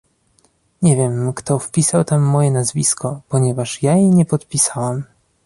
Nie wiem, kto wpisał tam moje nazwisko, ponieważ ja jej nie podpisałam